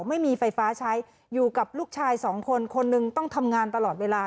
ไม่มีไฟฟ้าใช้อยู่กับลูกชายสองคนคนหนึ่งต้องทำงานตลอดเวลา